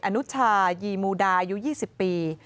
อนุชายีมูดาอายุ๒๐ปี